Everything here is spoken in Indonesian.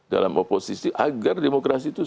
dalam oposisi agar demokrasi itu